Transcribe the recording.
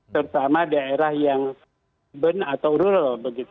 terutama daerah yang urban atau rural